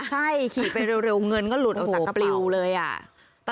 ใช่ขี่ไปเร็วเงินก็หลุดโอ้โหปลิวเลยอะ